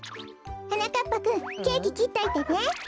はなかっぱくんケーキきっといてね。